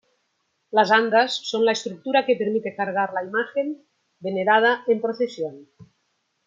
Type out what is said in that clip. Las andas son la estructura que permite cargar la imagen venerada en procesión.